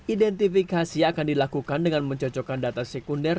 identifikasi akan dilakukan dengan mencocokkan data sekunder